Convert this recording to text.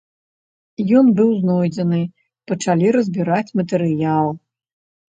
Ён быў знойдзены, пачалі разбіраць матэрыял.